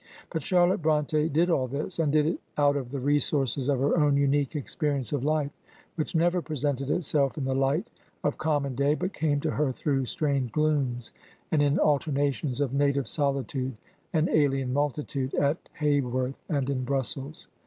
But Charlotte Bronte did all this, and did it out of the resources of her own tmique experience of life, which never presented itself in the light of common day, but came to her through strange glooms, and in alternations of native solitude and alien multitude, at Haworth and in Brussels.